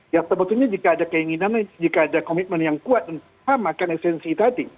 ya sebetulnya jika ada keinginan jika ada komitmen yang kuat dan samakan esensi tadi